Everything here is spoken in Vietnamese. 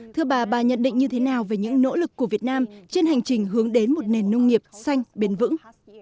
thưa bà bà nhận định như thế nào về những nỗ lực của việt nam trên hành trình hướng đến một nền nông nghiệp xanh bền vững